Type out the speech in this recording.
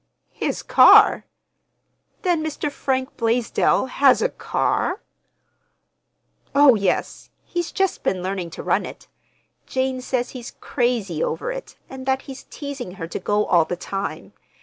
"His car! Then Mr. Frank Blaisdell has—a car?" "Oh, yes, he's just been learning to run it. Jane says he's crazy over it, and that he's teasing her to go all the time.